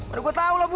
aduh gue tahu lah bu